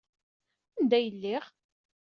Anda ay lliɣ?